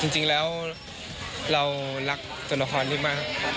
จริงแล้วเรารักตัวละครมาก